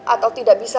atau tidak bisa